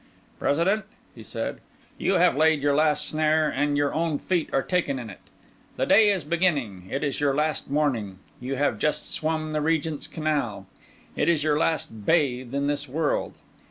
"President," he said, "you have laid your last snare, and your own feet are taken in it. The day is beginning; it is your last morning. You have just swum the Regent's Canal; it is your last bathe in this world.